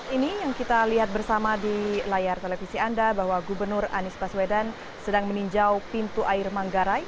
ini yang kita lihat bersama di layar televisi anda bahwa gubernur anies baswedan sedang meninjau pintu air manggarai